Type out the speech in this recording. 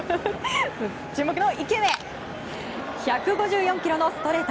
注目の１球目１５４キロのストレート。